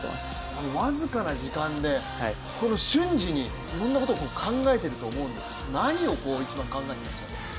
この僅かな時間で瞬時にいろんなことを考えてると思うんですが何を一番考えていらっしゃるんですか？